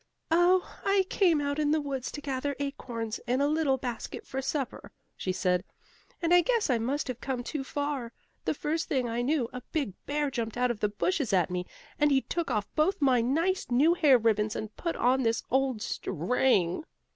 "Oh, I came out in the woods to gather acorns in a little basket for supper," she said, "and I guess I must have come too far. The first thing I knew a big bear jumped out of the bushes at me, and he took off both my nice, new hair ribbons and put on this old string."